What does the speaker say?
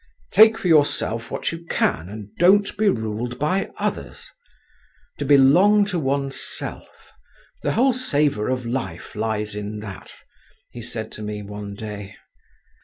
"Take for yourself what you can, and don't be ruled by others; to belong to oneself—the whole savour of life lies in that," he said to me one day.